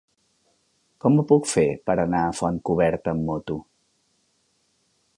Com ho puc fer per anar a Fontcoberta amb moto?